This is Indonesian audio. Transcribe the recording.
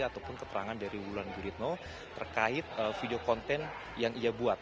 ataupun keterangan dari wulan guritno terkait video konten yang ia buat